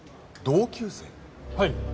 はい。